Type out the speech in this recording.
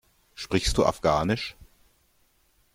Sprichst du Afghanisch?